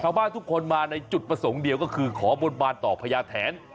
ชาวบ้านทุกคนมาในจุดประสงค์เดียวก็คือขอบนบานต่อพญาแทน